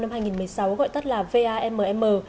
năm hai nghìn một mươi sáu gọi tắt là vam